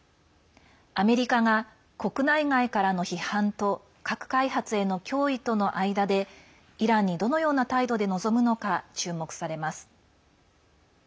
アメリカが国内外からの批判と核開発への脅威との間でイランにどのような態度で臨むのか注目されます。